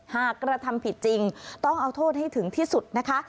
กระทำผิดจริงต้องเอาโทษให้ถึงที่สุดนะคะ